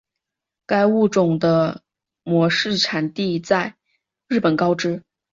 该物种的模式产地在日本高知。